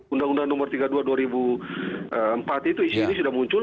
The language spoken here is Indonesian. undang undang nomor tiga puluh dua dua ribu empat itu isu ini sudah muncul